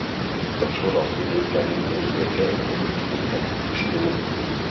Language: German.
Doch schon auf dem Weg dahin wurden ihr Geld und Gepäck gestohlen.